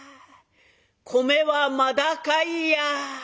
「米はまだかいや！」。